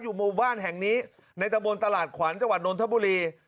หมู่บ้านแห่งนี้ในตะบนตลาดขวัญจังหวัดนทบุรี